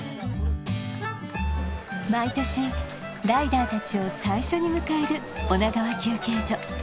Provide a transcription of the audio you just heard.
毎年ライダー達を最初に迎える女川休憩所